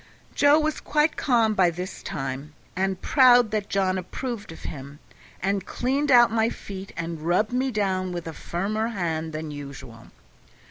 Joe was quite calm by this time, and proud that John approved of him, and cleaned out my feet and rubbed me down with a firmer hand than usual.